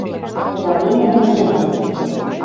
Подаренӓм уже мӹнь...